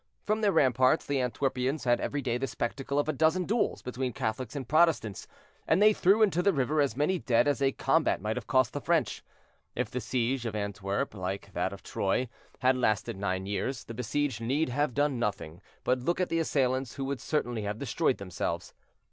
From their ramparts, the Antwerpians had every day the spectacle of a dozen duels between Catholics and Protestants; and they threw into the river as many dead as a combat might have cost the French. If the siege of Antwerp, like that of Troy, had lasted nine years, the besieged need have done nothing but look at the assailants, who would certainly have destroyed themselves.